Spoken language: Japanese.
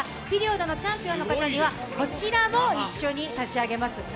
ピリオドのチャンピオンの方にはこちらも一緒に差し上げます。